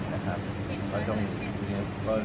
ก็ยังไม่มีประหยานรัฐภัยแท็กช์นะครับ